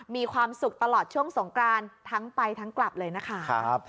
มีความสุขตลอดช่วงสงกรานทั้งไปทั้งกลับเลยนะคะ